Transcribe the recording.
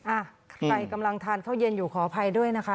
อ่ะใครกำลังทานข้าวเย็นอยู่ขออภัยด้วยนะคะ